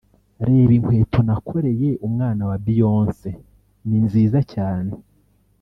“Reba inkweto nakoreye umwana wa Beyonce…Ni nziza cyane